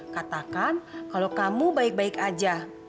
katakan kalau kamu baik baik aja